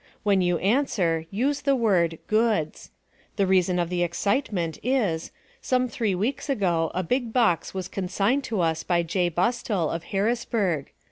When you answer, use the word, goods. The reason of the excitement, is: some three weeks ago a big box was consigned to us by J. Bustill, of Harrisburg.